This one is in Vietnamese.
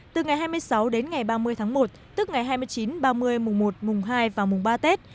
từ ngày hai mươi sáu đến ngày ba mươi tháng một tức ngày hai mươi chín ba mươi mùng một mùng hai và mùng ba tết